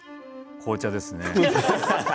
紅茶ですね。